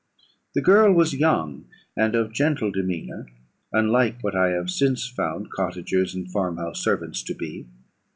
The girl was young, and of gentle demeanour, unlike what I have since found cottagers and farm house servants to be.